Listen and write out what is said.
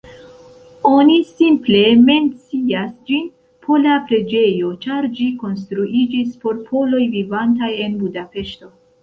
Oni simple mencias ĝin "pola preĝejo", ĉar ĝi konstruiĝis por poloj vivantaj en Budapeŝto.